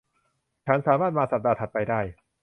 ฉันสามารถมาสัปดาห์ถัดไปได้